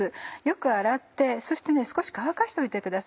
よく洗ってそして少し乾かしといてください。